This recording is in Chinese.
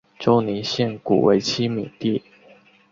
周宁县古为七闽地。